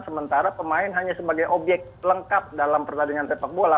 sementara pemain hanya sebagai obyek lengkap dalam pertandingan sepak bola